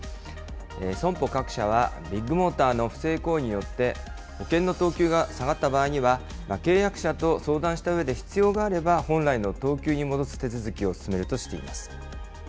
損保各社は、ビッグモーターの不正行為によって、保険の等級が下がった場合には、契約者と相談したうえで、必要があれば、本来の等級に戻す手続きを進めるとしています。